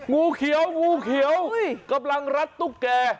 งูเขียวงูเขียวกำลังรัดตุ๊กแก่